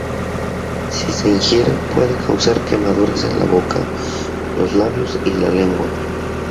Si se ingiere, puede causar quemaduras en la boca, los labios y la lengua.